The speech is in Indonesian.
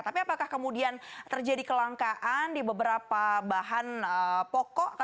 tapi apakah kemudian terjadi kelangkaan di beberapa bahan pokok